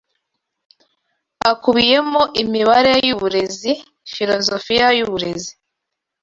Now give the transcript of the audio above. akubiyemo imibanire yuburezi filozofiya yuburezi